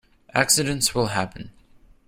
Accidents will happen.